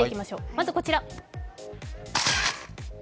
まずこちら。